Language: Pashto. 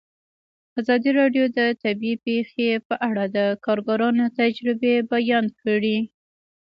ازادي راډیو د طبیعي پېښې په اړه د کارګرانو تجربې بیان کړي.